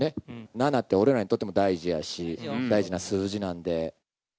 ７って俺らにとっても大事やし、大事な数字なんで。